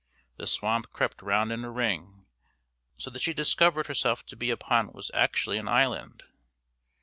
The swamp crept round in a ring, so that she discovered herself to be upon what was actually an island.